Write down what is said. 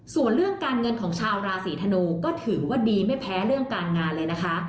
ส่วนเรื่องการเงินของชาวราศีธนูก็ถือว่าดีไม่แพ้เรื่องการงานเลยนะคะ